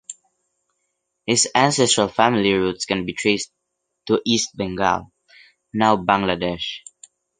His ancestral family roots can be traced to East Bengal, now Bangladesh.